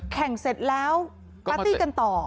เสร็จแล้วปาร์ตี้กันต่อ